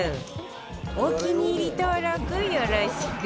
お気に入り登録よろしく